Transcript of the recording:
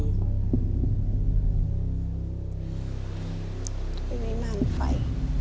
วิมาลไฟ